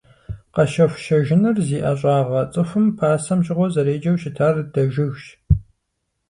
Къэщэху-щэжыныр зи ӀэщӀагъэ цӀыхум пасэм щыгъуэ зэреджэу щытар дэжыгщ.